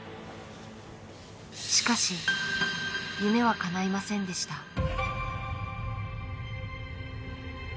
しかし夢はかないませんでした。